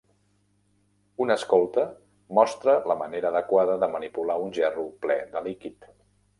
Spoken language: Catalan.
Un escolta mostra la manera adequada de manipular un gerro ple de líquid.